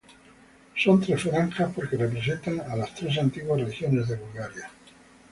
Son tres franjas, porque representan a las tres antiguas regiones de Bulgaria.